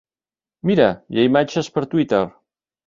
Mira, hi ha imatges per Twitter.